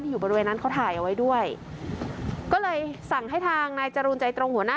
อยู่บริเวณนั้นเขาถ่ายเอาไว้ด้วยก็เลยสั่งให้ทางนายจรูนใจตรงหัวหน้า